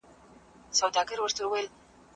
د سته امکاناتو څخه ښه ګټه واخلئ.